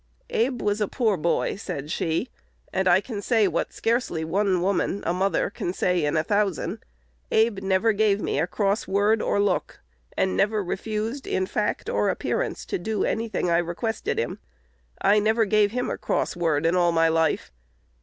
"Abe was a poor boy," said she; "and I can say what scarcely one woman a mother can say in a thousand. Abe never gave me a cross word or look, and never refused, in fact or appearance, to do any thing I requested him. I never gave him a cross word in all my life....